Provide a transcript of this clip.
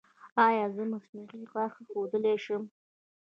ایا زه مصنوعي غاښ ایښودلی شم؟